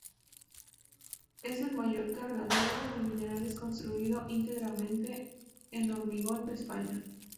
Es el mayor cargadero de minerales construido íntegramente en hormigón de España.